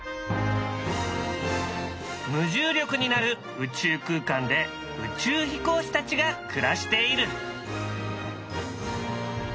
無重力になる宇宙空間で宇宙飛行士たちが暮らしている。